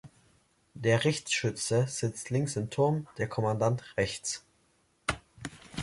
Der Richtschütze sitzt links im Turm, der Kommandant rechts.